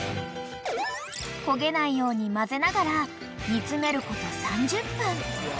［焦げないように混ぜながら煮詰めること３０分］